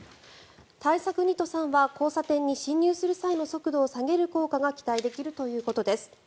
対策２と３は交差点に進入する際の速度を下げる効果が期待できるということです。